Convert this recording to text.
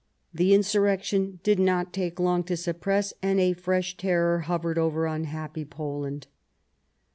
The insurrection did not take long to suppress, and a fresh terror hovered over unhappy Poland.